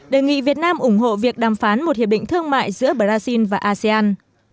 đề nghị việt nam ủng hộ việc đàm phán một hiệp định thương mại giữa brazil và asean